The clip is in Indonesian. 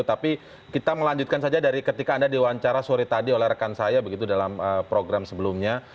tapi kita melanjutkan saja dari ketika anda diwawancara sore tadi oleh rekan saya begitu dalam program sebelumnya